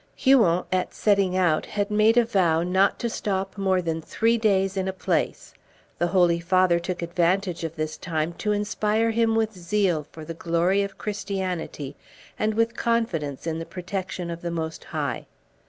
Huon, at setting out, had made a vow not to stop more than three days in a place. The Holy Father took advantage of this time to inspire him with zeal for the glory of Christianity, and with confidence in the protection of the Most High.